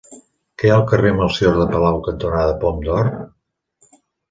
Què hi ha al carrer Melcior de Palau cantonada Pom d'Or?